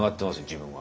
自分は。